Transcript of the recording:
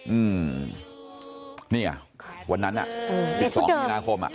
อืมนี่อ่ะวันนั้นอ่ะอีก๒นาคม